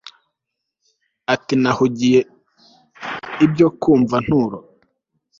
Ati Nahugiye ibyo kwumva Nturo